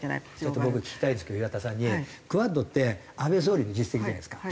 ちょっと僕聞きたいんですけど岩田さんに。ＱＵＡＤって安倍総理の実績じゃないですか。